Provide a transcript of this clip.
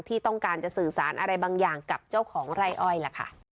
ที่ต้องการจะสื่อสารอะไรบางอย่างกับเจ้าของไร่อ้อยล่ะค่ะ